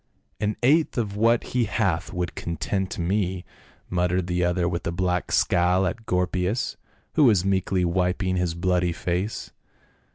"An eighth of what he hath would content me," muttered the other with a black scowl at Gorpius, who was meekly wiping his bloody face.